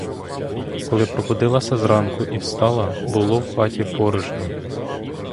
Коли пробудилася зранку і встала, було в хаті порожньо.